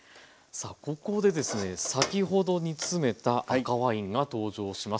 さあここでですね先ほど煮詰めた赤ワインが登場します。